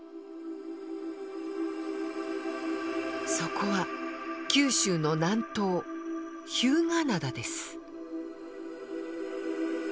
そこは九州の南東日向灘です。